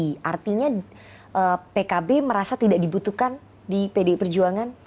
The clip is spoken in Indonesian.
tapi artinya pkb merasa tidak dibutuhkan di pdi perjuangan